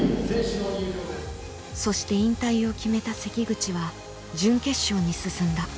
そして引退を決めた関口は準決勝に進んだ。